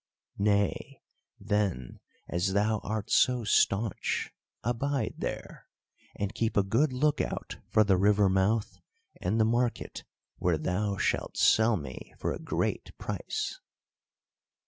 Nay, then, as thou art so staunch, abide there and keep a good look out for the river mouth and the market where thou shalt sell me for a great price."